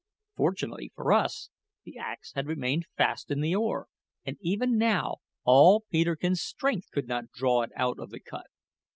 Fortunately for us, the axe had remained fast in the oar, and even now all Peterkin's strength could not draw it out of the cut.